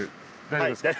大丈夫ですか？